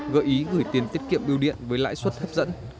gợi ý gửi tiền tiết kiệm biêu điện với lãi suất hấp dẫn